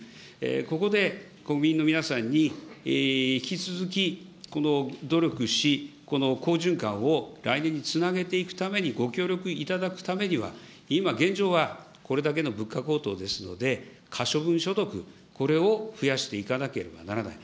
ここで国民の皆さんに引き続き努力し、この好循環を来年につなげていくためにご協力いただくためには、今、現状は、これだけの物価高騰ですので、可処分所得、これを増やしていかなければならない。